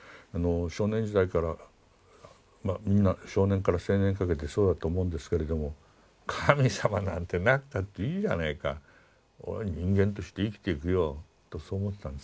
少年時代からまあみんな少年から青年にかけてそうだと思うんですけれども神様なんてなくたっていいじゃねえか俺人間として生きていくよとそう思ってたんです。